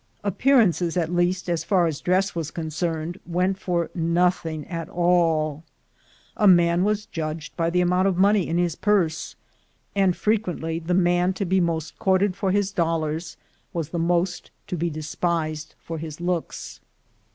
Appearances, at least as far as dress was concerned, went for nothing at all. A man was judged by the amount of money in his purse, and frequently the man to be most courted for his dollars was the most to be despised for his looks.